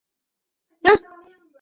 五迁至内阁学士。